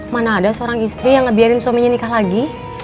mana ada seorang istri yang ngebiarin suaminya nikah lagi